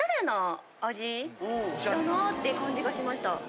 かなぁって感じがしました。